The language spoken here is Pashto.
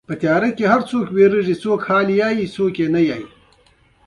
هغې د زړه له کومې د دښته ستاینه هم وکړه.